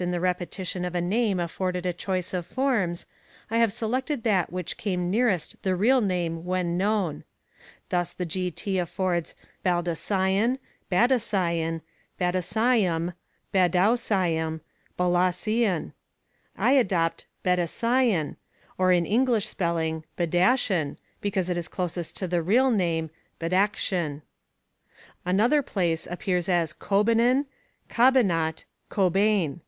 in the repetition of a name afforded a choice of forms, I have selected that which came nearest the real name when known. Thus the G. T. affords Baldasciain, Badascian, Badasciam, Badausiani, Balasian. I adopt BadasCIAN, or in English spelling Badashan, because it is closest to the real name Badakhshan. Another place appears as COBINAN, Cabanat, Cobian.